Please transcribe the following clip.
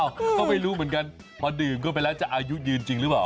ก็ไม่รู้เหมือนกันพอดื่มเข้าไปแล้วจะอายุยืนจริงหรือเปล่า